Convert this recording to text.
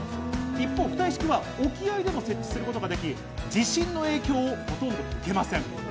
一方、浮体式は沖合にも設置することができ、地震の影響をほとんど受けません。